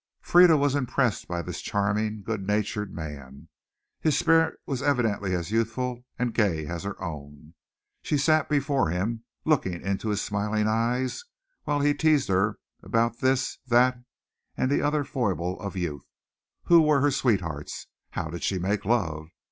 Frieda was impressed by this charming, good natured man. His spirit was evidently as youthful and gay as her own. She sat before him looking into his smiling eyes while he teased her about this, that and the other foible of youth. Who were her sweethearts? How did she make love?